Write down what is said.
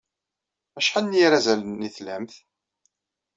Acḥal n yirazalen ay tlamt?